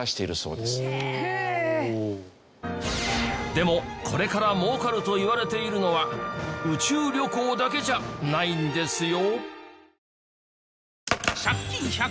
でもこれから儲かるといわれているのは宇宙旅行だけじゃないんですよ。